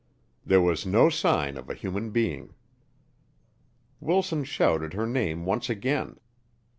There was no sign of a human being. Wilson shouted her name once again.